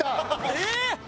えっ！